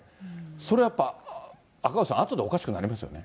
それやっぱ、赤星さん、あとでおかしくなりますよね。